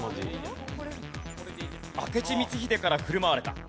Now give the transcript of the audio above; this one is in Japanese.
明智光秀から振る舞われた。